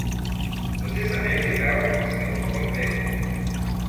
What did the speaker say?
Você sabia que Harry conseguiu um novo emprego?